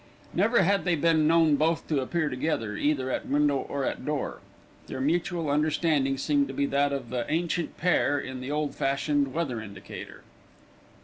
Never had they been known both to appear together, either at window or at door. Their mutual understanding seemed to be that of the ancient pair in the old fashioned weather indicator.